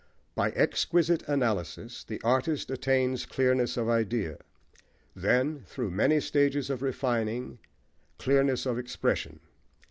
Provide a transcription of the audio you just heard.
By exquisite analysis the artist attains clearness of idea; then, through many stages of refining, clearness of expression.